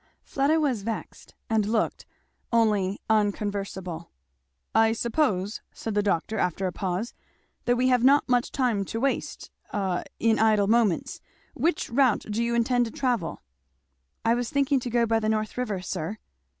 Fleda was vexed, and looked, only unconversable. "I suppose," said the doctor after a pause, "that we have not much time to waste a in idle moments. Which route do you intend to travel?" "I was thinking to go by the North River, sir."